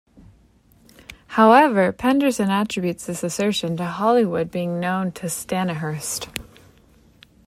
However, Pederson attributes this assertion to Holywood being known to Stanihurst.